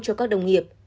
cho các đồng nghiệp